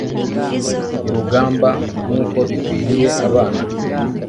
urugamba, nk'uko bikwiriye abana